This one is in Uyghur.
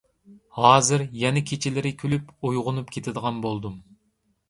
ھازىر يەنە كېچىلىرى كۈلۈپ ئويغىنىپ كېتىدىغان بولدۇم.